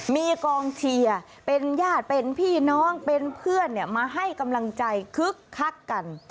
มีกองเชียร์เป็นญาติเป็นพี่น้องเป็นเพื่อนมาให้กำลังใจคึกคักกัน